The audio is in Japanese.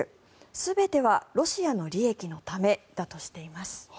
全てはロシアの利益のためだとしています。